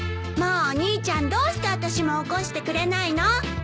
もうお兄ちゃんどうして私も起こしてくれないの！